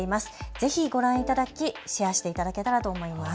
ぜひご覧いただき、シェアしていただけたらと思います。